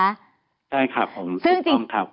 ใช่ครับผมถูกต้องครับ